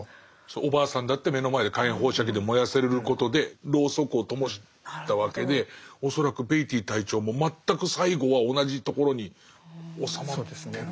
おばあさんだって目の前で火炎放射器で燃やされることでロウソクを灯したわけで恐らくベイティー隊長も全く最後は同じところに収まってる気がする。